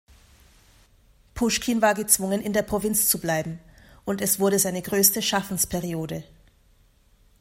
Puschkin war gezwungen, in der Provinz zu bleiben, und es wurde seine größte Schaffensperiode.